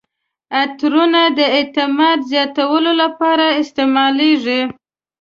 عطرونه د اعتماد زیاتولو لپاره استعمالیږي.